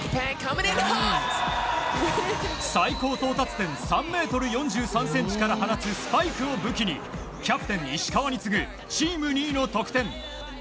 最高到達点３ｍ４３ｃｍから放つスパイクを武器にキャプテン石川に次ぐチーム２位の得点。